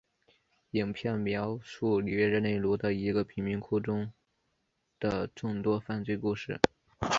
影片描述里约热内卢的一个贫民窟中的众多犯罪故事。